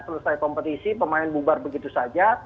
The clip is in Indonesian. selesai kompetisi pemain bubar begitu saja